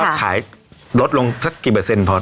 ยอดขายลดลงสักกี่เปอร์เซ็นต์เพราะ